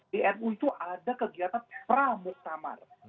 di nu itu ada kegiatan pramuktamar